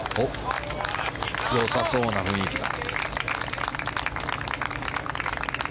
良さそうな雰囲気だ。